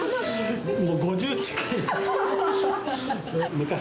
もう５０近いんです。